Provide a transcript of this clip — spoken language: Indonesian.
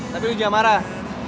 tapi lu jangan marah